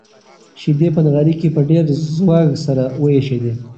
شيدې په نغري کې په ډېر زوږ سره وایشېدې.